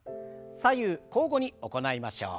左右交互に行いましょう。